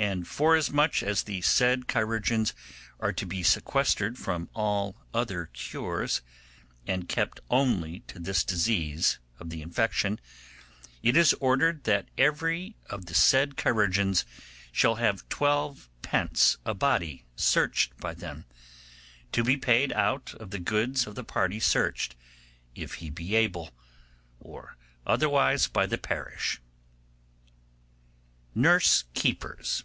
'And forasmuch as the said chirurgeons are to be sequestered from all other cures, and kept only to this disease of the infection, it is ordered that every of the said chirurgeons shall have twelve pence a body searched by them, to be paid out of the goods of the party searched, if he be able, or otherwise by the parish. Nurse keepers.